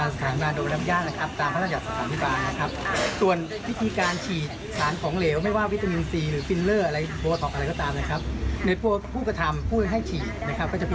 สวัสดิ์วิธีการฉีดสารของเหลวไม่ว่าวิตามีล๔